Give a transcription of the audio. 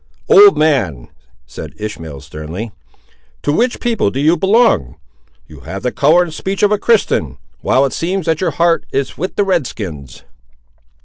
"Old man," said Ishmael sternly, "to which people do you belong? You have the colour and speech of a Christian, while it seems that your heart is with the redskins."